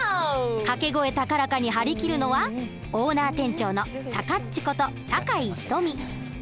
掛け声高らかに張り切るのはオーナー店長の「さかっち」こと酒井瞳。